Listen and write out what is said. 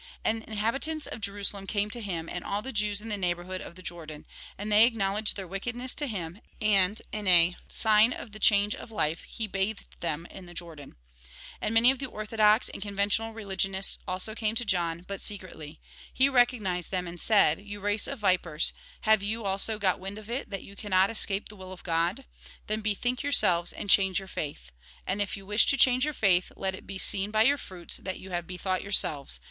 And inhabitants of Jerusalem came to him, and all the Jews in the neighbourhood of the Jordan. And they acknowledged their wickedness to him; and, in sign of the change of life, he bathed them in the Jordan. And many of the orthodox and conventional religionists also came to John, but secretly. He recognised them, and said :" You race of vipers ! Have you, also, got wind of it, that you cannot escape the will of God ? Then bethink yourselves, and change your faith ! And if you wish to change your faith, let it be seen by your fruits that you have bethought youi'selves.